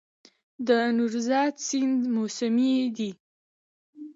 د نوزاد سیند موسمي دی